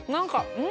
うん？